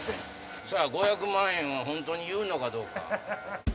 「５００万円」は本当に言うのかどうか。